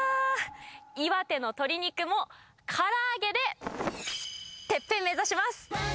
岩手の鶏肉も、から揚げでてっぺん目指します！